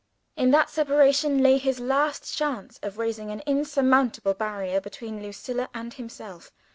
In that separation, lay his last chance of raising an insurmountable barrier between Lucilla and himself.